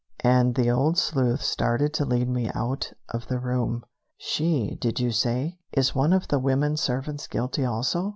And the old sleuth started to lead me out of the room. "She, did you say? Is one of the women servants guilty also?"